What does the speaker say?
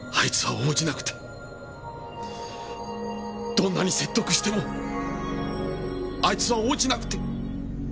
どんなに説得してもあいつは応じなくて。